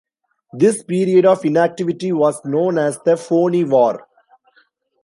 This period of inactivity was known as the "Phoney War".